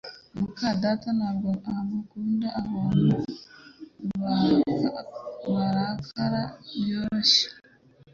muka data ntabwo akunda abantu barakara byoroshye